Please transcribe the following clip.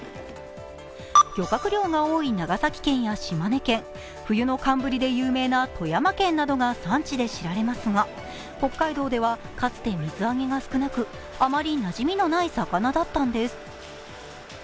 漁獲量が多い長崎県や富山県が産地で知られますが、北海道ではかつて水揚げが少なくあまりなじみのない魚だったんです。